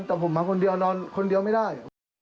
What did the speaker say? แต่ผมมาคนเดียวนอนคนเดียวไม่ได้